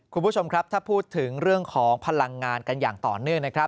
คุณผู้ชมครับถ้าพูดถึงเรื่องของพลังงานกันอย่างต่อเนื่องนะครับ